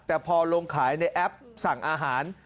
แต่พอลงขายในแอปสั่งอาหาร